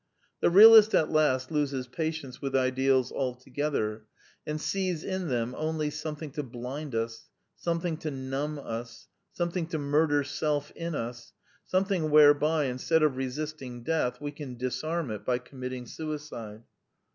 The realist at last loses patience with ideals * altogether, and sees in them only something to blind uSj something to numb us, something to mur der self in us, something whereby, instead of re sisting death, we can disarm it by committing sui cide.